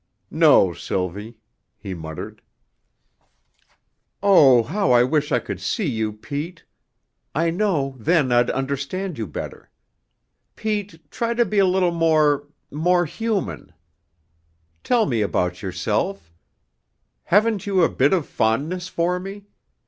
"No, Sylvie," he muttered. "Oh, how I wish I could see you, Pete! I know then I'd understand you better. Pete, try to be a little more more human. Tell me about yourself. Haven't you a bit of fondness for me?